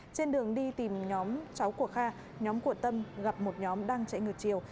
trên đường đi tìm nhóm cháu của kha nhóm của tâm gặp một nhóm đang chạy ngược chiều